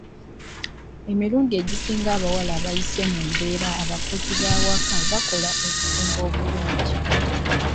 Emirundi egisinga abawala abayise mu kubeera abakozi b'awaka bakola obufumbo obulungi